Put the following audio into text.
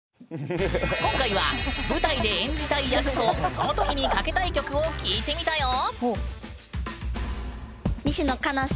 今回は舞台で演じたい役とその時にかけたい曲を聞いてみたよ！